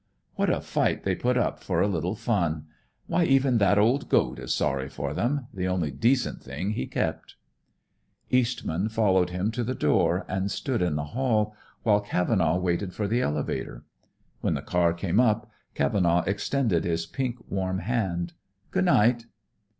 What a fight they put up for a little fun! Why, even that old goat is sorry for them, the only decent thing he kept." Eastman followed him to the door and stood in the hall, while Cavenaugh waited for the elevator. When the car came up Cavenaugh extended his pink, warm hand. "Good night."